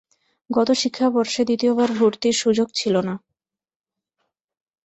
গত শিক্ষাবর্ষে দ্বিতীয়বার ভর্তির সুযোগ ছিল না।